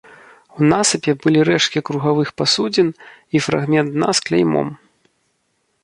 У насыпе былі рэшткі кругавых пасудзін і фрагмент дна з кляймом.